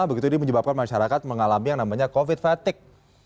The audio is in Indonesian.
begitu ini menyebabkan masyarakat mengalami yang namanya covid fatigue